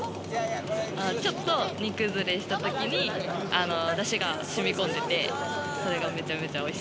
ちょっと煮崩れしたときに、だしがしみこんでて、それがめち